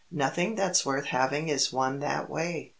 "Nothing that's worth having is won that way."